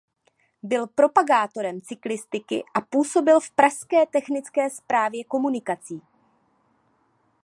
Byl propagátorem cyklistiky a působil v pražské Technické správě komunikací.